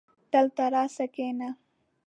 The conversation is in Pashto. دلته راسه کينه